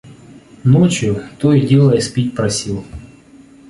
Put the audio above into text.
Ночью то и дело испить просил.